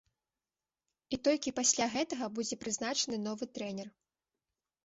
І толькі пасля гэтага будзе прызначаны новы трэнер.